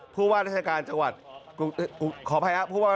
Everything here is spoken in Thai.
ป่ะเจ้าหน้าขออภัยครับ